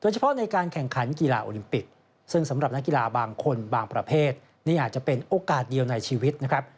เฉพาะในการแข่งขันกีฬาโอลิมปิกซึ่งสำหรับนักกีฬาบางคนบางประเภทนี่อาจจะเป็นโอกาสเดียวในชีวิตนะครับ